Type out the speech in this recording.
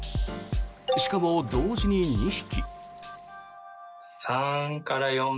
しかも、同時に２匹。